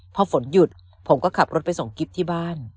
พอฝนหยุดผมก็ขับรถไปส่งกิ๊บที่บ้าน